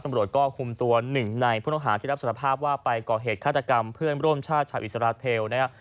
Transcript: ตำรวจก็คุมตัวหนึ่งในผู้ต้องหาที่รับสารภาพว่าไปก่อเหตุฆาตกรรมเพื่อนร่วมชาติชาวอิสราเทลนะครับ